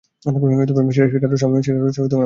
সেটার রহস্য আমি এখনো ধরতে পারি নি।